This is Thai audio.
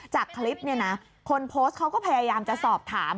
จากคลิปเนี่ยนะคนโพสต์เขาก็พยายามจะสอบถาม